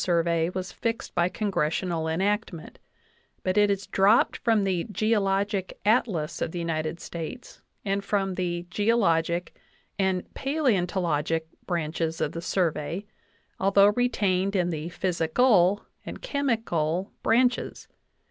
VIII Survey was fixed by congressional enactment ; but it is dropped from the "Geologic Atlas of the United States" and from the "geologic" and "paleontologic" branches of the Survey, al though retained in the "physical" and "chemical" branches.